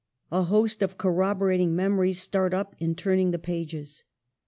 A host of corroborating memories start up in turn ing the pages.